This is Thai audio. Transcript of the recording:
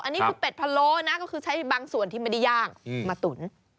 อันนี้คือเป็ดพะโล้นะก็คือใช้บางส่วนที่ไม่ได้ย่างมาตุ๋น